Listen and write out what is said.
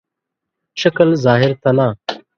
شکل ظاهر ته نه.